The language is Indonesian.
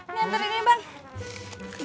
nanti ini bang